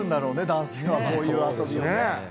男性はこういう遊びをね。